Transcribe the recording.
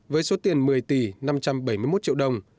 với số tiền một mươi tỷ năm trăm bảy mươi một triệu đồng